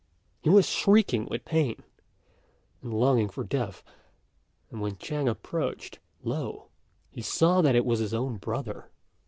He was shrieking with pain, and longing for death; and when Chang approached, lo! he saw that it was his own brother.